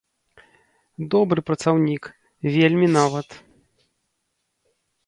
Добры працаўнік, вельмі нават.